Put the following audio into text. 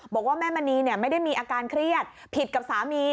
บอกว่าแม่มณีไม่ได้มีอาการเครียดผิดกับสามี